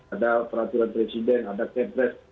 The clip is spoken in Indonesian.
ada peraturan presiden ada kepres